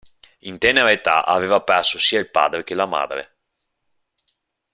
In tenera età aveva perso sia il padre che la madre.